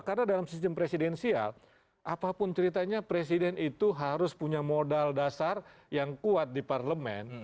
karena dalam sistem presidensial apapun ceritanya presiden itu harus punya modal dasar yang kuat di parlemen